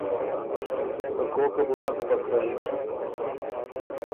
که کوکه بو نک پکرَوِن۔